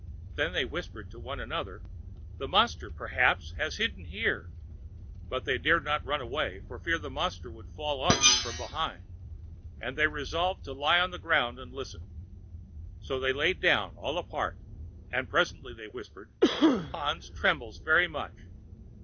Then they whispered to one another, "The monster, perhaps, has hidden here"; but they dared not run away, for fear the monster should fall on them from behind, and they resolved to lie on the ground and listen. So they laid down all apart, and presently they whispered: "Hans trembles very much."